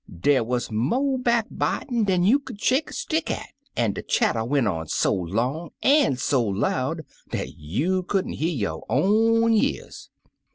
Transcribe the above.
Dey wuz mo' backbitin' dan you could shake a stick at, an' de chatter went on so long an' so loud, dat you could n't hear yo' own y'ears.